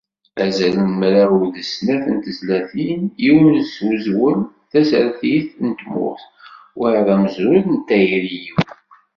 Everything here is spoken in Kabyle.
Azal n mraw d snat n tezlatin, yiwen s uzwel n "Tasertit n tmurt" wayeḍ "Amezruy n tayri-w"